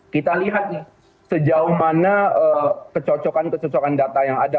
kita lihat nih sejauh mana kecocokan kecocokan data yang ada